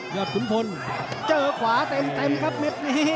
ขุนพลเจอขวาเต็มครับเม็ดนี้